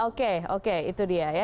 oke oke itu dia ya